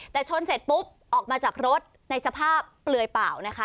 แต่ชนเสร็จปุ๊บออกมาจากรถในสภาพเปลือยเปล่านะคะ